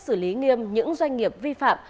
xử lý nghiêm những doanh nghiệp vi phạm